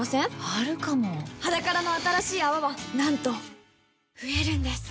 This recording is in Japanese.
あるかも「ｈａｄａｋａｒａ」の新しい泡はなんと増えるんです